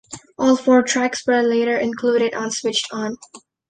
All four tracks were later included on "Switched On".